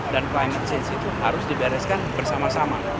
dan climate change itu harus dibereskan bersama sama